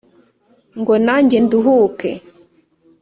ngo nanjye nduhuke